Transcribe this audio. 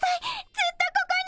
ずっとここに！